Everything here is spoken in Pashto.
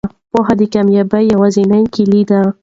پوهه د کامیابۍ یوازینۍ کیلي ده.